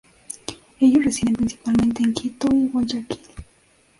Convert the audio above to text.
Ellos residen principalmente en Quito y Guayaquil.